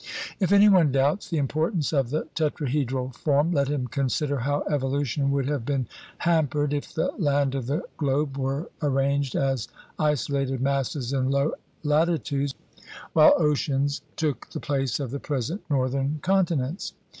If any one doubts the importance of the tetra hedral form, let him consider how evolution would have been hampered if the land of the globe were arranged as isolated masses in low latitudes, while oceans took the place of the present northern con tinents.